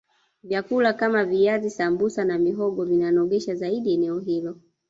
vyakula Kama viazi sambusa na mihogo vinanogesha zaidi eneo hilo